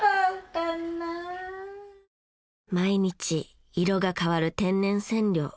毎日色が変わる天然染料。